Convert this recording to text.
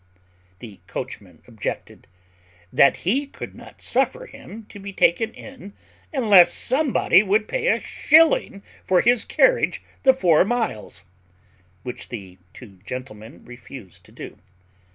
The coachman objected, "That he could not suffer him to be taken in unless somebody would pay a shilling for his carriage the four miles." Which the two gentlemen refused to do.